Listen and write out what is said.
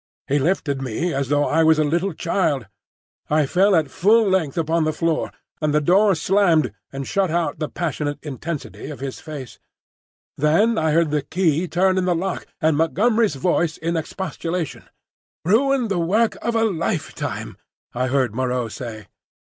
He lifted me as though I was a little child. I fell at full length upon the floor, and the door slammed and shut out the passionate intensity of his face. Then I heard the key turn in the lock, and Montgomery's voice in expostulation. "Ruin the work of a lifetime," I heard Moreau say.